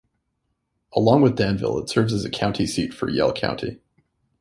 Along with Danville, it serves as a county seat for Yell County.